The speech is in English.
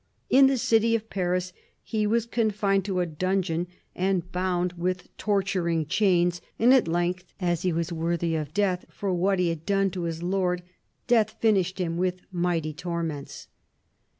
In the city of Paris he was confined in a dungeon and bound with torturing 38 CHARLEMAGNE. chains ; and at length, as he was worthy of death for what he had done to his lord, death finished him with mighty torments."